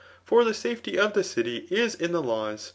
For the safety of the city is in the laws.